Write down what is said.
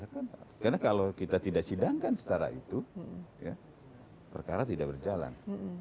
karena kalau kita tidak sidangkan secara itu perkara tidak berjalan